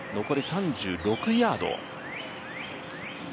残り３６ヤード。